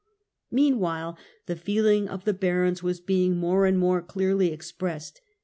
Meanwhile the feeling of the barons was being more and more clearly expressed.